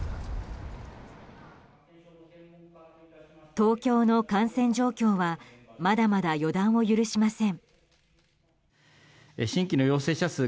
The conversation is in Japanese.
東京の感染状況はまだまだ予断を許しません。